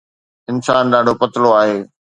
انسان ڏاڍو پتلو آهي